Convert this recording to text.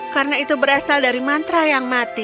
karena itu berasal dari mantra yang mati